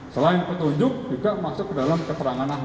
selain petunjuk juga masuk ke dalam keterangan ahli